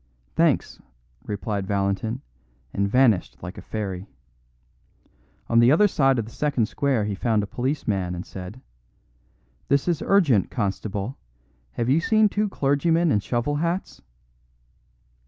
"Thanks," replied Valentin, and vanished like a fairy. On the other side of the second square he found a policeman, and said: "This is urgent, constable; have you seen two clergymen in shovel hats?"